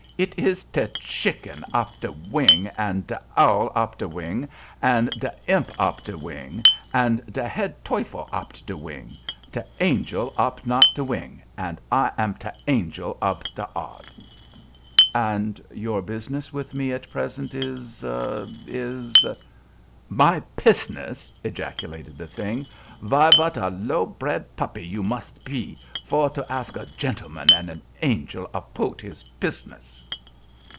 It iz te shicken ab te wing, und te owl ab te wing, und te imp ab te wing, und te head teuffel ab te wing. Te angel ab not te wing, and I am te Angel ov te Odd." "And your business with me at present is—is——" "My pizziness!" ejaculated the thing, "vy vat a low bred puppy you mos pe vor to ask a gentleman und an angel apout his pizziness!"